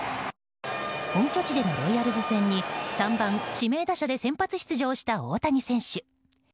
本拠地でのロイヤルズ戦に３番指名打者で先発出場した大谷選手。